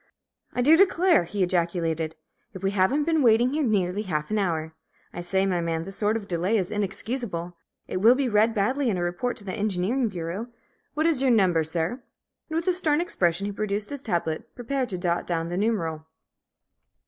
"I do declare," he ejaculated, "if we haven't been waiting here nearly half an hour! I say, my man, this sort of delay is inexcusable. It will read badly in a report to the Engineering Bureau. What is your number, sir?" And with a stern expression he produced his tablets, prepared to jot down the numeral.